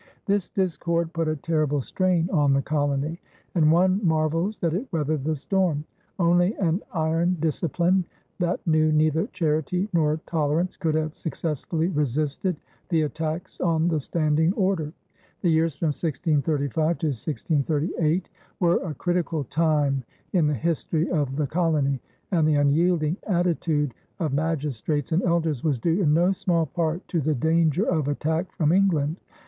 This discord put a terrible strain on the colony, and one marvels that it weathered the storm. Only an iron discipline that knew neither charity nor tolerance could have successfully resisted the attacks on the standing order. The years from 1635 to 1638 were a critical time in the history of the colony, and the unyielding attitude of magistrates and elders was due in no small part to the danger of attack from England.